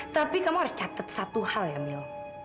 tapi kamu harus catat satu hal ya mil